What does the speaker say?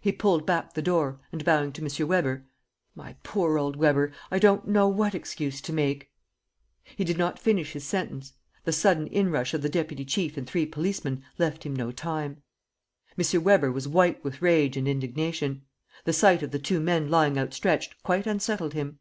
He pulled back the door, and bowing to M. Weber: "My poor old Weber, I don't know what excuse to make ..." He did not finish his sentence. The sudden inrush of the deputy chief and three policeman left him no time. M. Weber was white with rage and indignation. The sight of the two men lying outstretched quite unsettled him.